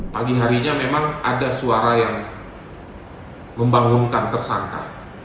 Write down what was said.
pagi harinya memang ada suara yang membangunkan tersangka